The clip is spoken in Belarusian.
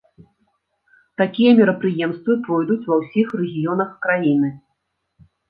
Такія мерапрыемствы пройдуць ва ўсіх рэгіёнах краіны.